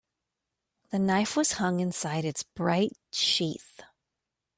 The knife was hung inside its bright sheath.